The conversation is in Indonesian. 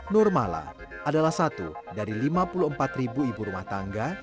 nurmala adalah satu dari lima puluh empat ribu ibu rumah tangga